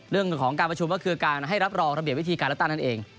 เรื่องของการประชุมก็คือการให้รับรองระเบียบวิธีการเลือกตั้งนั่นเอง